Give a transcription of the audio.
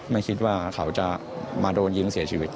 ไม่คิดว่าเขาจะมาโดนยิงเสียชีวิต